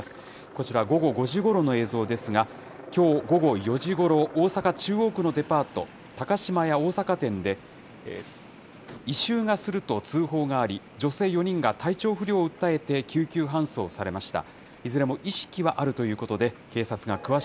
こちら、午後５時ごろの映像ですが、きょう午後４時ごろ、大阪・中央区のデパート、高島屋大阪店で、異臭がすると通報があり、女性４人が体調不良を訴えて救急搬送されました。